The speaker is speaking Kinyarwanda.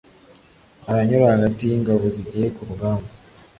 aranyura hagati y’ingabo zigiye ku rugamba.